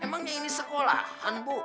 emangnya ini sekolahan bu